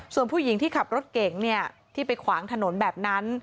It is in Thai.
ส่วนผู้หญิงที่ขับรถเก่งที่ไปขวางถนนแบบนั้น